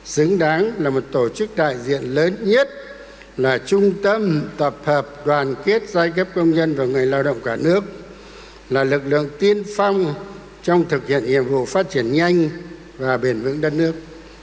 xứng đáng là một tổ chức đại diện lớn nhất là trung tâm tập hợp đoàn kết giai cấp công nhân và người lao động cả nước là lực lượng tiên phong trong thực hiện nhiệm vụ phát triển nhanh và biển vững đất nước